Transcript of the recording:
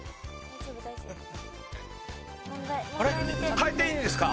変えていいんですか？